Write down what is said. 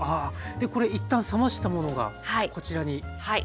これ一旦冷ましたものがこちらにあります。